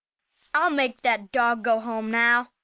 "I'll make that dog go home now!"